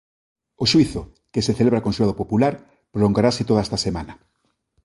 O xuízo, que se celebra con xurado popular, prolongarase toda esta semana.